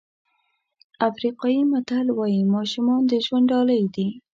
افریقایي متل وایي ماشومان د ژوند ډالۍ دي.